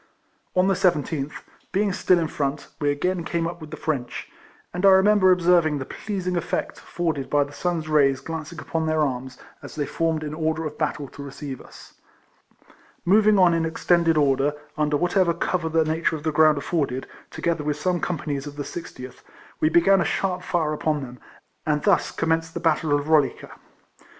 On the 17th, being still in front, we again came up with the French, and^ I remember observing the pleasing effect afforded by the sun's rays glancing upon their arms, as they formed in order of battle to receive us. Moving on in extended order, under what ever cover the nature of the ground afforded, together with some companies of the 60tb, we began a sharp fire upon them ; and thus commenced the battle of Rolica. RIFLEMAN HARRIS.